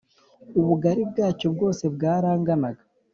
ubugari bwacyo bwose bwaranganaga